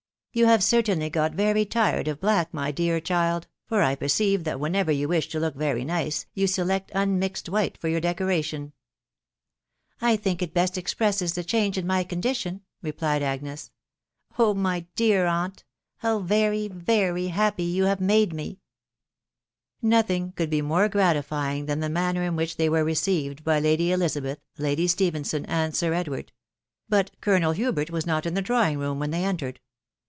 " You have certainly got re?? tired of black, mv dear OdM> to I nercerre vat 461 whenever yea wish to look very nice, you select unmixed white for your decenties." " I think it beat expiates? die? change m& my condition /' repMe* Agassi "Oh! my dear anna*. •.\.. bow ve/y^ very happy yoa. kaee made ma!" Necking could be more gE&tifysng: than* the manner in which tkey w*ne«csi*ed by Lady EHaabeth, Lady Stephenson,, and Sir Mwawfc; ...... bus CeloneL Hubert was not in the dfcaw ing nxna wheal tiiey entered.